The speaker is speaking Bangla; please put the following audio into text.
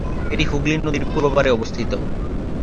এটি হুগলি নদীর পূর্ব পাড়ে অবস্থিত।